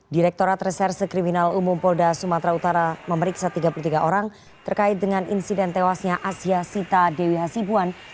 direkturat reserse kriminal umum polda sumatera utara memeriksa tiga puluh tiga orang terkait dengan insiden tewasnya asia sita dewi hasibuan